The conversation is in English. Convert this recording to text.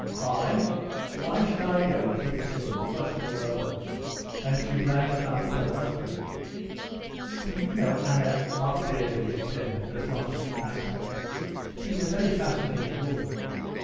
"I? Why should I go?" Kitty said, flushing all over, and she glanced round at her husband. "Do you know Anna Arkadyevna, then?" Veslovsky asked her. "She's a very fascinating woman."